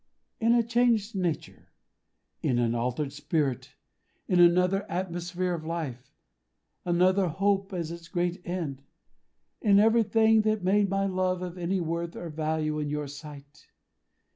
"In a changed nature; in an altered spirit; in another atmosphere of life; another Hope as its great end. In everything that made my love of any worth or value in your sight.